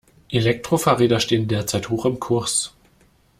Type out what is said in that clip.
Elektrofahrräder stehen derzeit hoch im Kurs.